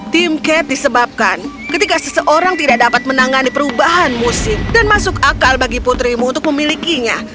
tim cat disebabkan ketika seseorang tidak dapat menangani perubahan musik dan masuk akal bagi putrimu untuk memilikinya